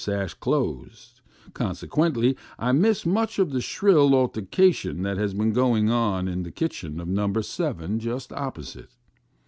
233 sash, closed ; consequently, I miss much of the shrilly altercation that has been going on in the kitchen of No. 7 just opposite.